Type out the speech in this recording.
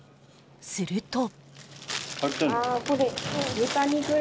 すると。